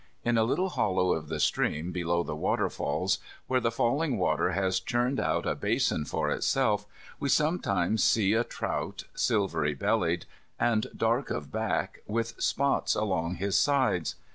In a little hollow of the stream, below the waterfalls, where the falling water has churned out a basin for itself, we sometimes see a trout, silvery bellied, and dark of back, with spots along his sides.